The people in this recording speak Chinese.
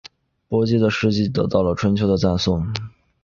伯姬的事迹得到了春秋的赞颂。